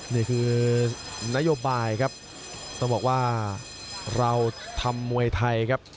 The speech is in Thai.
นี่คือนโยบายครับต้องบอกว่าเราทำมวยไทยครับ